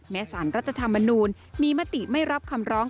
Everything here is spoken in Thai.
สารรัฐธรรมนูลมีมติไม่รับคำร้อง